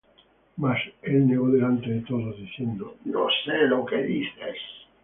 Mas él negó delante de todos, diciendo: No sé lo que dices.